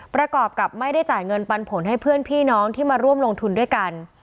ประกอบกับไม่ได้จ่ายเงินปันผลให้เพื่อนพี่น้องที่มาร่วมลงทุนด้วยกัน